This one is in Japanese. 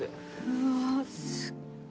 うわすっご。